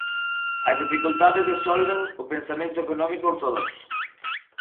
As dificultades disolven o pensamento económico ortodoxo.